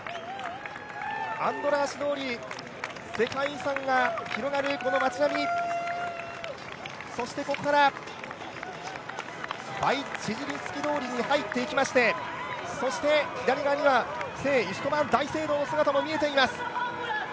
アンドラーシ通り、世界遺産が広がるこの町並みそしてここから通りに入っていきましてそして左側にはイシュトヴァーン大聖堂の姿も見えています。